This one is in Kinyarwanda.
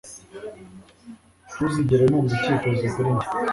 Ntuzigere numva icyifuzo kuri njye